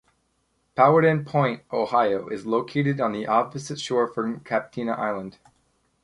Powhatan Point, Ohio is located on the opposite shore from Captina Island.